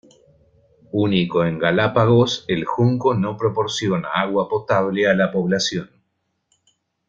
Único en Galápagos, El Junco no proporciona agua potable a la población.